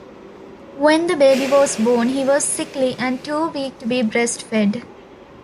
When the baby was born, he was sickly and too weak to be breastfed.